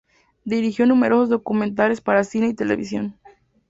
Dirigió numerosos documentales para cine y televisión.